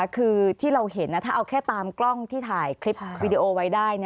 คือที่เราเห็นถ้าเอาแค่ตามกล้องที่ถ่ายคลิปวิดีโอไว้ได้